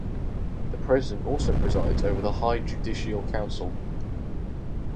The president also presides over the High Judicial Council.